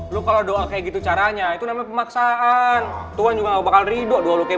lu kalau doa kayak gitu caranya itu namanya pemaksaan tuhan juga gak bakal rido dua lu kayak